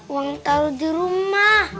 uang tau di rumah